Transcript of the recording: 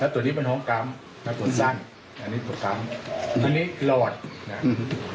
แล้วตัวนี้มันห้องกรรมอันตัวสั้นอันนี้ตัวกรรมอันนี้หลอดอืม